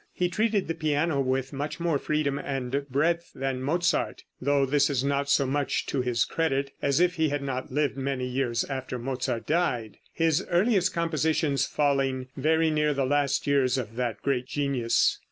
He treated the piano with much more freedom and breadth than Mozart, though this is not so much to his credit as if he had not lived many years after Mozart died, his earliest compositions falling very near the last years of that great genius.